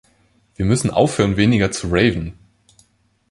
Wir müssen aufhören weniger zu raven.